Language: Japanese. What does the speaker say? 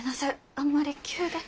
あんまり急で。